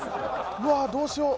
うわあどうしよう？